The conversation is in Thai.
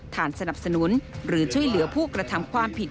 สนับสนุนหรือช่วยเหลือผู้กระทำความผิด